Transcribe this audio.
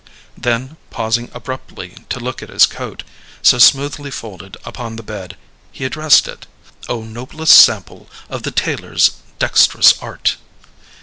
Then, pausing abruptly to look at his coat, so smoothly folded upon the bed, he addressed it: "O noblest sample of the tailor's dext'rous art!"